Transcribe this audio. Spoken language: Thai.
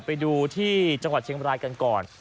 ไปดูที่จเชียงบรายกันก่อน